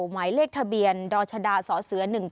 หมายเลขทะเบียนดรชดาสเส๑๒